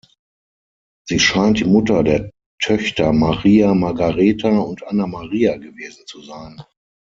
Sie scheint die Mutter der Töchter Maria Margaretha und Anna Maria gewesen zu sein.